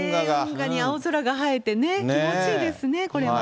運河に青空が映えてね、気持ちいいですね、これは。